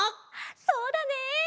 そうだね！